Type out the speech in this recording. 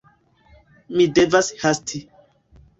Mi devas hasti.